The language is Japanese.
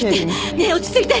ねえ落ち着いて。